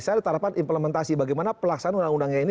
saya tetap implementasi bagaimana pelaksanaan undang undangnya ini